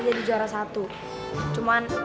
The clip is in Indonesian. jadi juara satu cuman